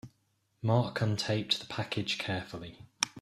Mark untaped the package carefully.